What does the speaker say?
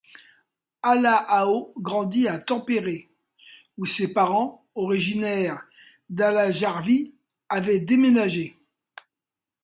Halla-aho grandit à Tampere, où ses parents, originaires d’Alajärvi, avaient déménagé.